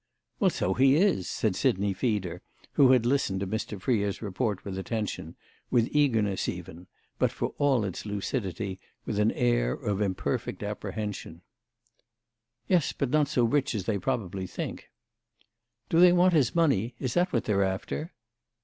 "Well, so he is," said Sidney Feeder, who had listened to Mr. Freer's report with attention, with eagerness even, but, for all its lucidity, with an air of imperfect apprehension. "Yes, but not so rich as they probably think." "Do they want his money? Is that what they're after?"